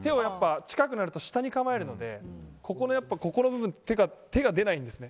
近くなると手を下に構えるのでここの部分手が出ないですね。